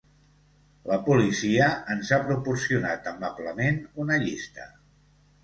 La policia ens ha proporcionat amablement una llista.